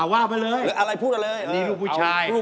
พูดอะไรเลย